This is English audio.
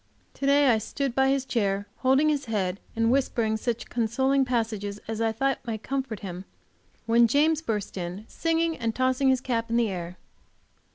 To day I stood by his chair, holding his head and whispering such consoling passages as I thought might comfort him, when James burst in, singing and tossing his cap in the air.